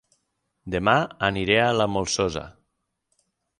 Dema aniré a La Molsosa